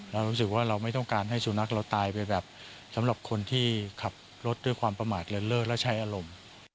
เรารู้สึกว่าเราไม่ต้องการให้สุนัขเราตายไปแบบสำหรับคนที่ขับรถด้วยความประมาทเลินเลิศและใช้อารมณ์